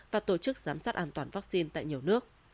và tổ chức giám sát an toàn vaccine tại nhiều nước